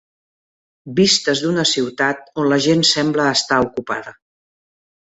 Vistes d'una ciutat on la gent sembla estar ocupada.